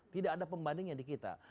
tidak ada pembandingnya di kita